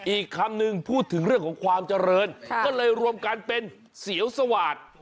อีกคำนึงพูดถึงเรื่องของความเจริญก็เลยรวมกันเป็นเสียวสวาสตร์